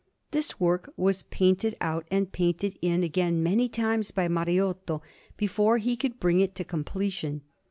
This work was painted out and painted in again many times by Mariotto before he could bring it to completion.